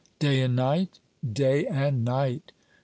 "Day and night?" "Day and night."